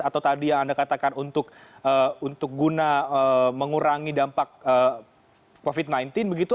atau tadi yang anda katakan untuk guna mengurangi dampak covid sembilan belas begitu